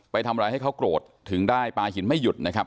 ไปทำอะไรให้เขาโกรธถึงได้ปลาหินไม่หยุดนะครับ